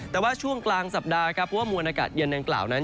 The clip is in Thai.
แต่ว่าช่วงกลางสัปดาห์ครับเพราะว่ามวลอากาศเย็นดังกล่าวนั้น